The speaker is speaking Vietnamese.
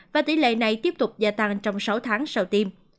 và tỷ lệ này tiếp tục gia tăng trong sáu tháng sau tiêm